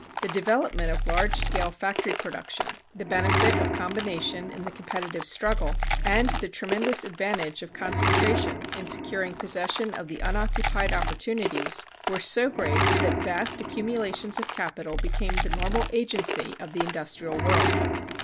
The development of large scale factory production, the benefit of combination in the competitive struggle, and the tremendous advantage of concentration in securing possession of the unoccupied opportunities, were so great that vast accumulations of capital became the normal agency of the industrial world.